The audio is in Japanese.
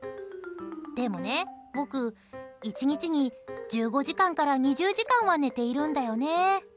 でもね、僕、１日に１５時間から２０時間は寝ているんだよね。